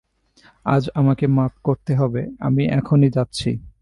আজ আমাকে মাপ করতে হবে–আমি এখনই যাচ্ছি।